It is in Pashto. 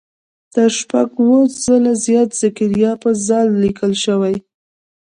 تر شپږ اووه ځله زیات زکریا په "ذ" لیکل شوی.